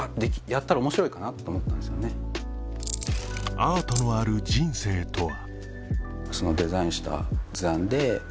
アートのある人生とは？